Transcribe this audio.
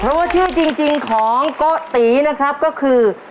เพราะว่าชื่อจริงของโกตินะครับก็คือ